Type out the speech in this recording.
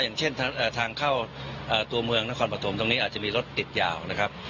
อย่างเช่นทางเข้าตัวเมืองนครปฐมตรงนี้อาจจะมีรถติดยาวนะครับ